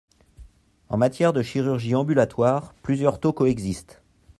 En matière de chirurgie ambulatoire, plusieurs taux coexistent.